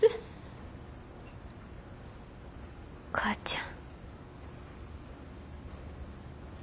お母ちゃん。